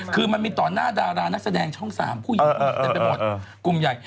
คือมันมีตอนหน้าดารานักแสดงช่องสามละกลุ่มใหญ่